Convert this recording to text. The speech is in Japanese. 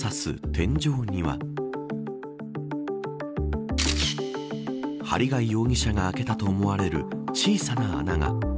天井には針谷容疑者が開けたと思われる小さな穴が。